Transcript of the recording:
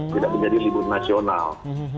tidak menjadi hibur nasional